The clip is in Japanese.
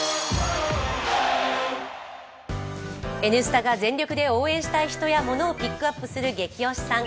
「Ｎスタ」が全力で応援したい人やものをピックアップする「ゲキ推しさん」。